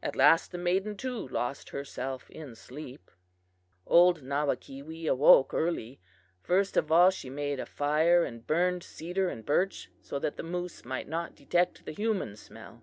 At last the maiden, too, lost herself in sleep. "Old Nawakewee awoke early. First of all she made a fire and burned cedar and birch so that the moose might not detect the human smell.